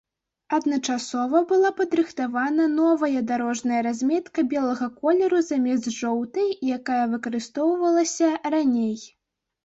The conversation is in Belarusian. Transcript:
Адначасова была падрыхтавана новая дарожная разметка белага колеру замест жоўтай, якая выкарыстоўвалася раней.